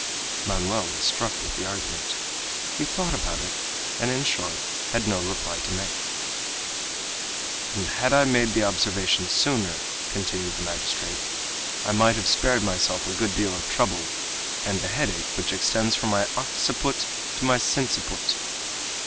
_ Manoel was struck with the argument; he thought about it, and, in short, had no reply to make. "And had I made the observation sooner," continued the magistrate, "I might have spared myself a good deal of trouble and a headache which extends from my occiput to my sinciput."